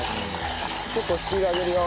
結構スピード上げるよ。